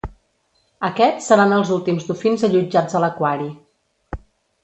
Aquests seran els últims dofins allotjats a l'aquari.